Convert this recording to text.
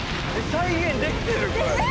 再現できてるこれ。